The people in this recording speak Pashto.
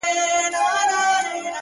• خوله یې خلاصه دواړي سترګي یې ژړاندي,